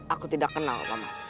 aku tidak kenal pak man